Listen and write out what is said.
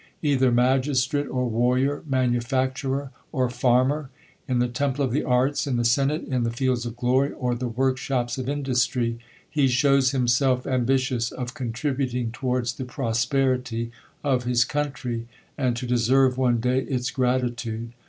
Either magistrate or warrior, manufacturer or farmer ; in the temple of the arts ; in the Senate ; in the fields of glory, or the workshops of industry, he shows himself ambitious of c ontributing towards the prosper ity of his country, and to deserve one day its grati tude.